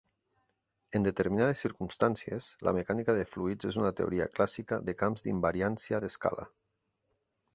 En determinades circumstàncies, la mecànica de fluids és una teoria clàssica de camps d'invariància d'escala.